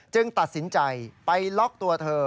ตัดสินใจไปล็อกตัวเธอ